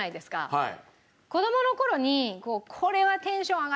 はい。